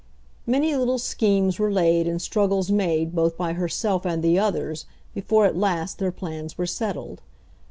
Many little schemes were laid and struggles made both by herself and the others before at last their plans were settled.